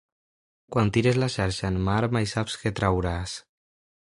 Quan tires la xarxa en mar mai saps que trauràs.